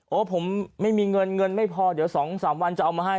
เออผมไม่มีเงินไม่พอเดี๋ยวสองสามวันจะเอามาให้